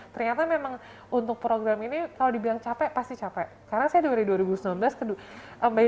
ternyata memang untuk program ini kalau dibilang capek pasti capek karena saya dari dua ribu sembilan belas kedua bayi